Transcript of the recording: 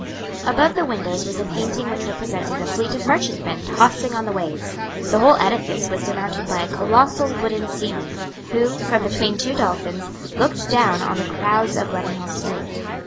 Above the windows was a painting which represented a fleet of merchantmen tossing on the waves. The whole edifice was surmounted by a colossal wooden seaman, who, from between two dolphins, looked down on the crowds of Leadenhall Street.